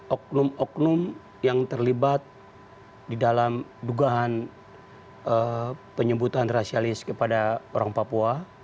oknum oknum yang terlibat di dalam dugaan penyebutan rasialis kepada orang papua